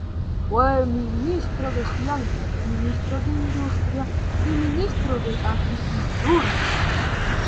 Fue Ministro de Finanzas, Ministro de Industria y Ministro de Agricultura.